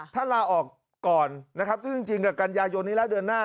ถ้าลาออกก่อนซึ่งจริงกับกันยายนนี้ล่ะเดือนหน้า